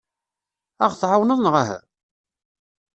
Ad aɣ-tɛawneḍ neɣ uhu?